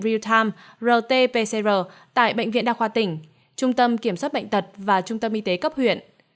real time rt pcr tại bệnh viện đa khoa tỉnh trung tâm kiểm soát bệnh tật và trung tâm y tế cấp huyện